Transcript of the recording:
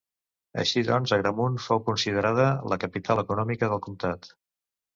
Així doncs Agramunt fou considerada la capital econòmica del comtat.